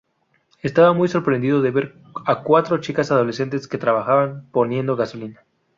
Estaba muy sorprendido de ver a cuatro chicas adolescentes que trabajaban poniendo gasolina.